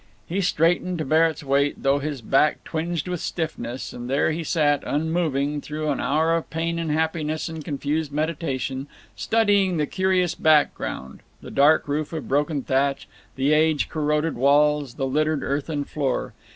He straightened to bear its weight, though his back twinged with stiffness, and there he sat unmoving, through an hour of pain and happiness and confused meditation, studying the curious background—the dark roof of broken thatch, the age corroded walls, the littered earthen floor.